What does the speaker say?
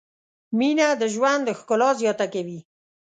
مینه د ژوند ښکلا زیاته کوي.